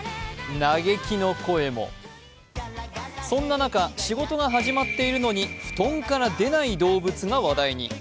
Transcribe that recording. そんな中、仕事が始まっているのに布団から出ない動物が話題に。